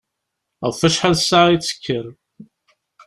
Ɣef wacḥal ssaɛa i d-tekker?